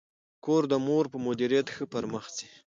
کور د مور په مدیریت ښه پرمخ ځي.